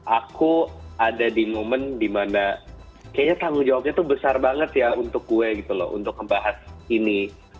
aku ada di momen dimana kayaknya tanggung jawabnya tuh besar banget ya untuk gue gitu loh untuk ngebahas ini